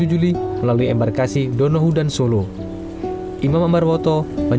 dua puluh juli melalui embarkasi donohu dan solo